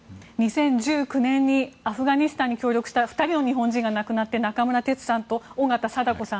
２０１９年にアフガニスタンに協力した２人の日本人が亡くなって中村哲さんと緒方貞子さん。